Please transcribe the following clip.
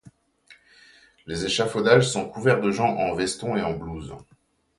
Les échafaudages sont couverts de gens en veston et en blouse.